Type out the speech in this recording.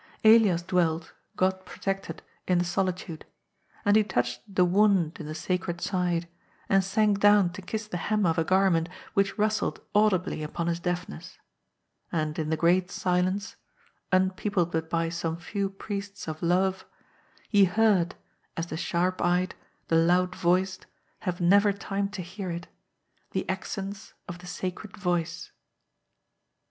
Elias dwelt, God protected, in the solitude. And he touched the Wound in the Sacred Side, and sank down to kiss the hem of a Garment which rustled audibly upon his deafness, and in the great silence — un peopled but by some few Priests of Love — ^he heard, as the sharp eyed, the loud voiced, have never time to hear it, the Accents of the Sacred Voice.